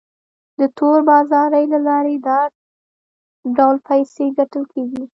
د تور بازارۍ له لارې دا ډول پیسې ګټل کیږي.